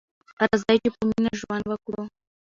راځئ چې په مینه ژوند وکړو.